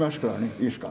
いいですか。